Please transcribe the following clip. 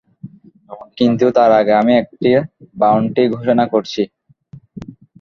কিন্তু তার আগে আমি একটা বাউন্টি ঘোষণা করছি।